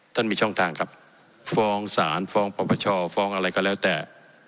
มีช่องทางครับฟ้องศาลฟ้องปรปชฟ้องอะไรก็แล้วแต่